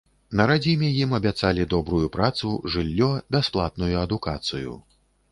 На радзіме ім абяцалі добрую працу, жыллё, бясплатную адукацыю.